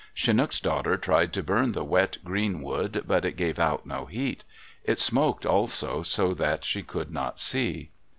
Chinook's daughter tried to burn the wet, green wood, but it gave out no heat. It smoked, also, so that she could not see.